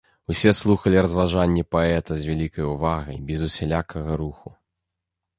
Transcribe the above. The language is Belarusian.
Усе слухалі разважанні паэта з вялікай увагай, без усялякага руху.